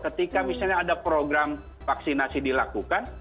ketika misalnya ada program vaksinasi dilakukan